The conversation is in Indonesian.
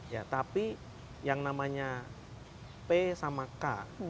ya tapi yang namanya p sama k